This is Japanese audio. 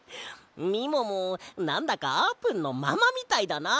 みももなんだかあーぷんのママみたいだな。